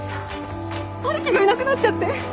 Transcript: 春樹がいなくなっちゃって。